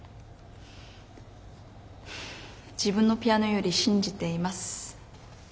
自分のピアノより信じています。